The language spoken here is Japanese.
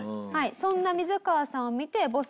そんなミズカワさんを見てボス